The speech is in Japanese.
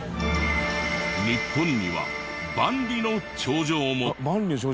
日本には万里の長城も。